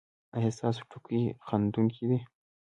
ایا ستاسو ټوکې خندونکې دي؟